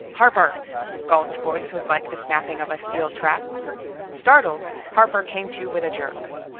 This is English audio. "Harper!" Gault's voice was like the snapping of a steel trap. Startled, Harper came to with a jerk.